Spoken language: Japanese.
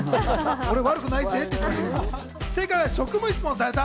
俺、悪くないぜって。